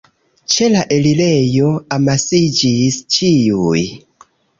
Ĉe la elirejo amasiĝis ĉiuj.